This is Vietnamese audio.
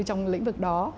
trong lĩnh vực đó